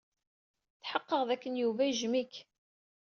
Tḥeqqeɣ dakken Yuba yejjem-ik.